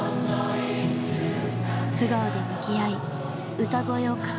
素顔で向き合い歌声を重ねる。